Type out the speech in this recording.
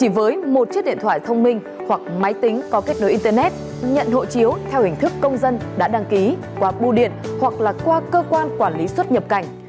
chỉ với một chiếc điện thoại thông minh hoặc máy tính có kết nối internet nhận hộ chiếu theo hình thức công dân đã đăng ký qua bưu điện hoặc là qua cơ quan quản lý xuất nhập cảnh